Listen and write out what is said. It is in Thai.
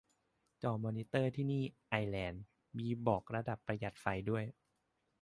จอมอนิเตอร์ที่นี่ ไอร์แลนด์ มีบอกระดับประหยัดไฟด้วย